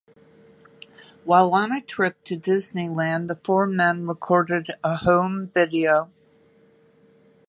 While on a trip to Disneyland, the four men recorded a home video.